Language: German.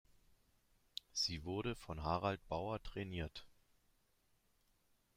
Sie wurde von Harald Bauer trainiert.